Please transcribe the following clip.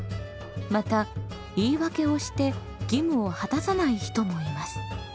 また言い訳をして義務を果たさない人もいます。